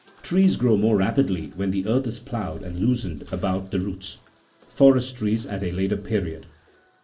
(29.) Trees grow old more rapidly when the earth is ploughed and loosened about the42 roots ; forest trees at a later period.